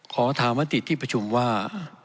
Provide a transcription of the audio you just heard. ขอถามมติที่ประชุมว่า